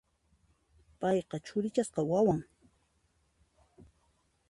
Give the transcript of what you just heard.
Payqa churichasqa wawan.